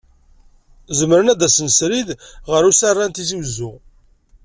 Zemren ad d-asen srid ɣer usarra n Tizi Uzzu.